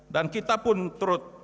dan kita pun terus